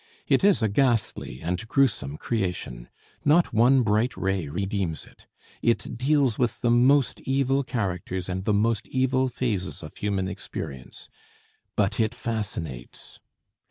It is a ghastly and gruesome creation. Not one bright ray redeems it. It deals with the most evil characters and the most evil phases of human experience. But it fascinates.